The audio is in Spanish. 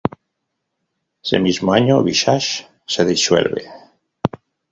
Ese mismo año Visage se disuelve.